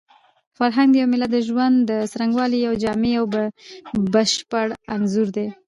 فرهنګ د یو ملت د ژوند د څرنګوالي یو جامع او بشپړ انځور دی.